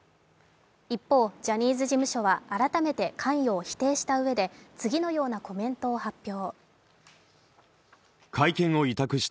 一方、ジャニーズ事務所は改めて関与を否定したうえで次のようなコメントを発表。